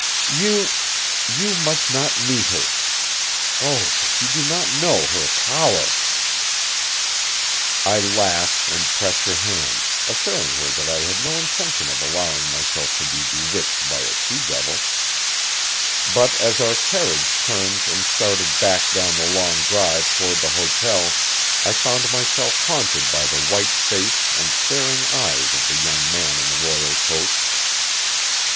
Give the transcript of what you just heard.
"You you must not meet her. Oh, but you do not know her power!" I laughed and pressed her hand, assuring her that I had no intention of allowing myself to be bewitched by a she devil; but as our carriage turned and started back down the long drive toward the hotel I found myself haunted by the white face and staring eyes of the young man in the royal coach.